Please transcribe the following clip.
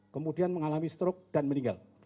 kemudian mengalami stroke dan meninggal